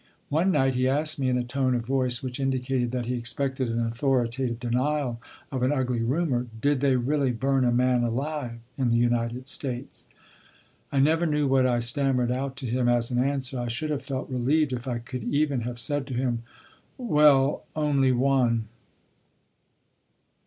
One night he asked me in a tone of voice which indicated that he expected an authoritative denial of an ugly rumor: "Did they really burn a man alive in the United States?" I never knew what I stammered out to him as an answer. I should have felt relieved if I could even have said to him: "Well, only one."